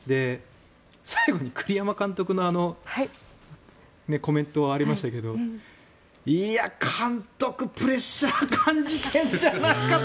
最後に栗山監督のあのコメントありましたけど監督、プレッシャー感じてるんじゃないかと。